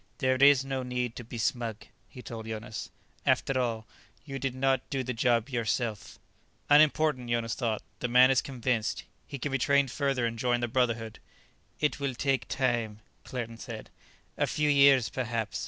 "There is no need to be smug," he told Jonas. "After all, you did not do the job yourself." "Unimportant," Jonas thought. "The man is convinced; he can be trained further and join the Brotherhood." "It will take time," Claerten said. "A few years, perhaps.